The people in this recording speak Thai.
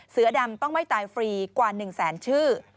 เสือดำต้องไม่ตายฟรีกว่า๑แสนชื่อ